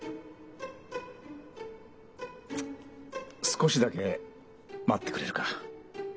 少しだけ待ってくれるか？